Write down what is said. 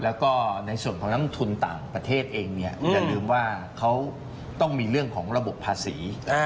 แล้วก็ในส่วนของนักลงทุนต่างประเทศเองเนี่ยอย่าลืมว่าเขาต้องมีเรื่องของระบบภาษี